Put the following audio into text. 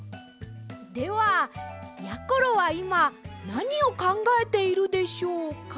ではやころはいまなにをかんがえているでしょうか！？